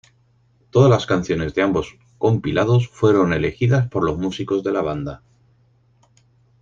Todas las canciones de ambos compilados fueron elegidas por los músicos de la banda.